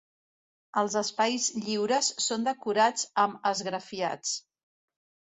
Els espais lliures són decorats amb esgrafiats.